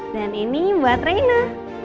dan ini buat reyna